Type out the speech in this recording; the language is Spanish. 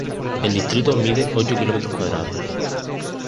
El distrito mide ocho kilómetros cuadrados.